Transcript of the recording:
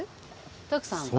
徳さんは？